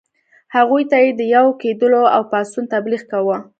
هغوی ته یې د یو کېدلو او پاڅون تبلیغ کاوه.